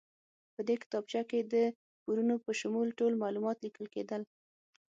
په دې کتابچه کې د پورونو په شمول ټول معلومات لیکل کېدل.